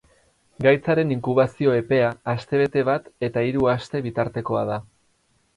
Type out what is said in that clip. Gaitzaren inkubazio epea astebete bat eta hiru aste bitartekoa da.